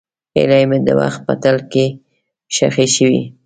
هیلې مې د وخت په تل کې ښخې شوې.